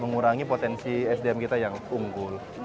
mengurangi ya mengurangi potensi sdm kita yang unggul